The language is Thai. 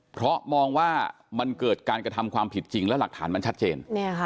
เพราะมองว่ามันเกิดการกระทำความผิดจริงแล้วหลักฐานมันชัดเจน